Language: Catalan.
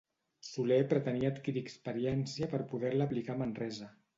Soler pretenia adquirir experiència per poder-la aplicar a Manresa.